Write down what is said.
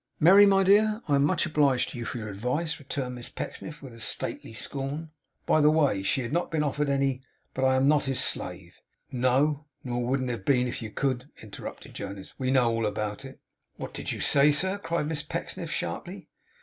'Merry, my dear, I am much obliged to you for your advice,' returned Miss Pecksniff, with a stately scorn by the way, she had not been offered any 'but I am not his slave ' 'No, nor wouldn't have been if you could,' interrupted Jonas. 'We know all about it.' 'WHAT did you say, sir?' cried Miss Pecksniff, sharply.